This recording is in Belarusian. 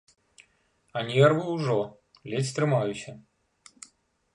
А нервы ўжо, ледзь трымаюся.